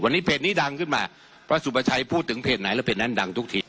วันนี้เพจนี้ดังขึ้นมาพระสุประชัยพูดถึงเพจไหนแล้วเพจนั้นดังทุกที